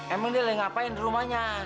emang dia lagi ngapain di rumahnya